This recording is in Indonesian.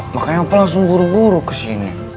makanya apa langsung buru buru kesini